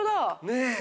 ねえ。